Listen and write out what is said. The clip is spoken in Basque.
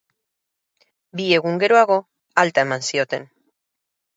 Bi egun geroago, alta eman zioten.